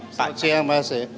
selamat siang pak